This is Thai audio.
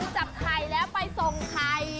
จับไข่แล้วไปส่งไข่